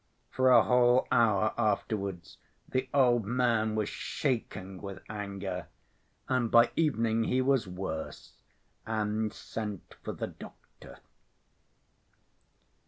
For a whole hour afterwards, the old man was shaking with anger, and by evening he was worse, and sent for the doctor.